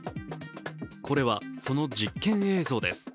これは、その実験映像です。